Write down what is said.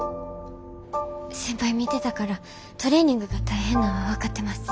先輩見てたからトレーニングが大変なんは分かってます。